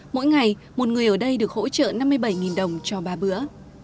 mỗi ngày một người ở đây được hỗ trợ năm mươi bảy đồng cho ba bữa